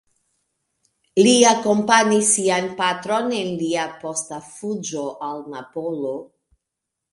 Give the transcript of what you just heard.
Li akompanis sian patron en lia posta fuĝo al Napolo.